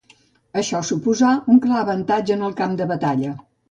Això suposà un clar avantatge en el camp de batalla.